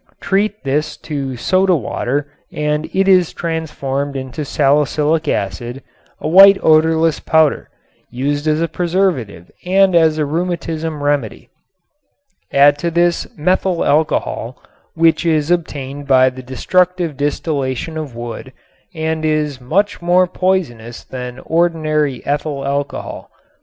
Treat this to soda water and it is transformed into salicylic acid, a white odorless powder, used as a preservative and as a rheumatism remedy. Add to this methyl alcohol which is obtained by the destructive distillation of wood and is much more poisonous than ordinary ethyl alcohol.